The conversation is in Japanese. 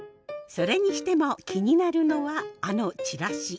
それにしても気になるのはあのチラシ。